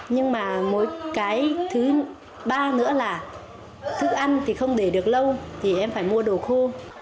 nhưng mà mỗi cái thứ ba nữa là thức ăn thì không để được lâu thì em phải mua đồ khô